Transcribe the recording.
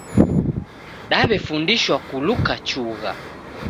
Daw'efundishwa kuluka chugha